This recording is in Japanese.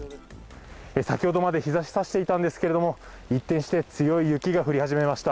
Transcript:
先ほどまで日がさしていたんですけれども、一転して強い雪が降り始めました。